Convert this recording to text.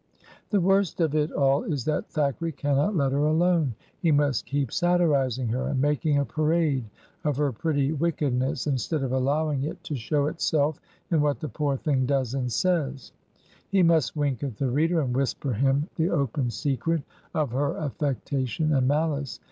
The worst of it all is that Thackeray caimot let her alone. He must keep satirizing her, and making a parade of her pretty wickedness, instead of allowing it to show itself in what the poor thing does and says; he must wink at the reader, and whisper him the open secret of her affectation and malice.